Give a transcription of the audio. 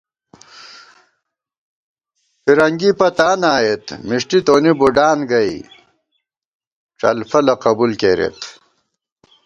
فرنگی پتانہ آئېت مِݭٹی تونی بُڈان گئ ،ڄلفَلہ قبُول کېرېت